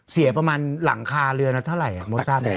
เสียประมาณหลังคาเรือนนั้นเท่าไหร่